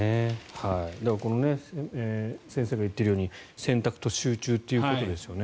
この先生が言っているように選択と集中ということですよね。